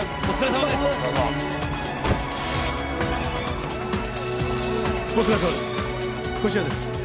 こちらです。